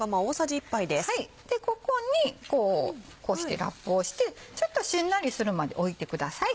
でここにこうしてラップをしてちょっとしんなりするまで置いてください。